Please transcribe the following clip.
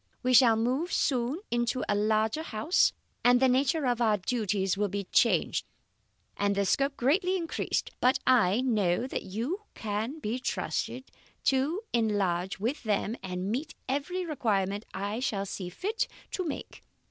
We shall move soon into a larger house, and the nature of our duties will be changed and their scope greatly increased; but I know that you can be trusted to enlarge with them and meet every requirement I shall see fit to make.